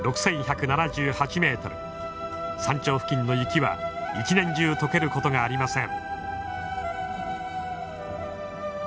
山頂付近の雪は年中解けることがありません。